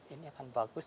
ini akan bagus